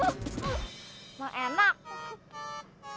aku juga enakan